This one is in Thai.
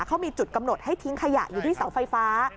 เขามีจุดกำหนดให้ทิ้งขยะอยู่ที่เสาไฟฟ้า